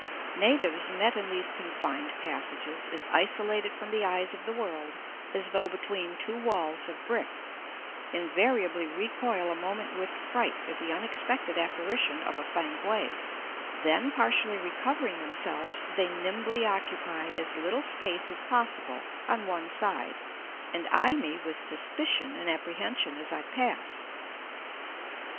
Natives met in these confined passages, as isolated from the eyes of the world as though between two walls of brick, invariably recoil a moment with fright at the unexpected apparition of a Fankwae; then partially recovering themselves, they nimbly occupy as little space as possible on one side, and eye me with suspicion and apprehension as I pass.